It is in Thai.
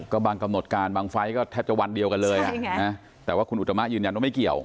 ก็บางกำหนดการบางไฟล์ก็แทบจะวันเดียวกันเลยแต่ว่าคุณอุตมะยืนยันว่าไม่เกี่ยว